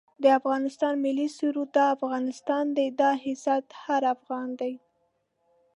د افغانستان ملي سرود دا افغانستان دی دا عزت هر افغان دی